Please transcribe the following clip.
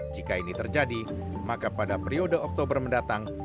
jika ini terjadi maka pada periode oktober mendatang